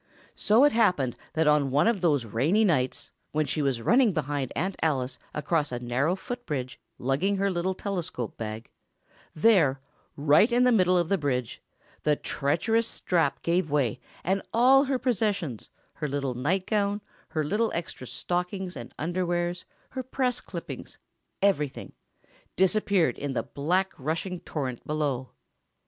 So it happened that on one of those rainy nights, when she was running behind Aunt Alice, across a narrow foot bridge, lugging her little telescope bag—there, right in the middle of the bridge—the treacherous strap gave way, and all her possessions—her little nightgown, her little extra stockings and underwears, her press clippings, everything—disappeared in the black, rushing torrent below.